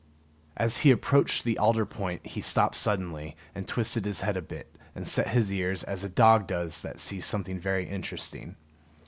As he approached the alder point he stopped suddenly, and twisted his head a bit, and set his ears, as a dog does that sees something very interesting.